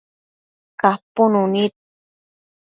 capunu nid